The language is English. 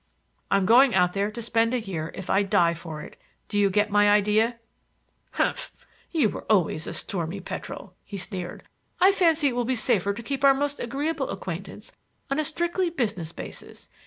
I'm going out there to spend a year if I die for it. Do you get my idea?" "Humph! You always were a stormy petrel," he sneered. "I fancy it will be safer to keep our most agreeable acquaintance on a strictly business basis.